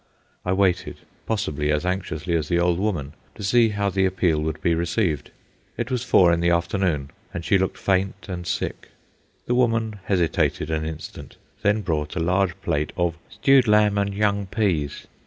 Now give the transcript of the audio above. I waited, possibly as anxiously as the old woman, to see how the appeal would be received. It was four in the afternoon, and she looked faint and sick. The woman hesitated an instant, then brought a large plate of "stewed lamb and young peas."